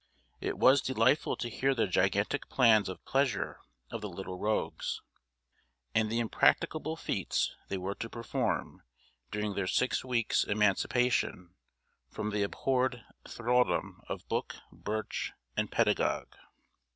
It was delightful to hear the gigantic plans of pleasure of the little rogues, and the impracticable feats they were to perform during their six weeks' emancipation from the abhorred thraldom of book, birch, and pedagogue.